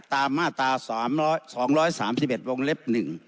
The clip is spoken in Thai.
ตามมาตรา๒๓๑วงเล็บ๑